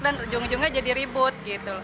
dan ujung ujungnya jadi ribut